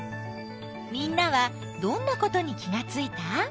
みんなはどんなことに気がついた？